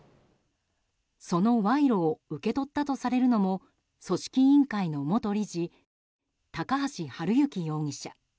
その賄賂を受け取ったとされるのも組織委員会の元理事高橋治之容疑者。